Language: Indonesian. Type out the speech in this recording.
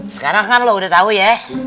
sekarang kan lo udah tau ya